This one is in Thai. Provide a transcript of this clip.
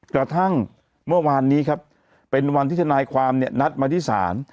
กระทั่งเมื่อวานนี้ครับเป็นวันที่ทนายความเนี่ยนัดมาที่ศาล